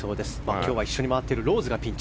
今日は一緒に回っているローズがピンチ。